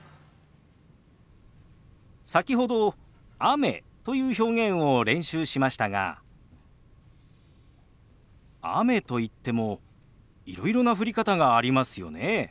先ほど「雨」という表現を練習しましたが雨といってもいろいろな降り方がありますよね。